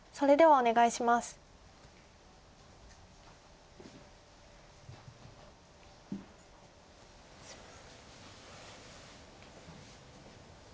お願いします。